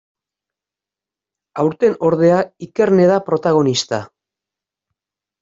Aurten, ordea, Ikerne da protagonista.